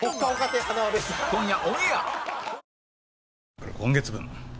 これ今月分。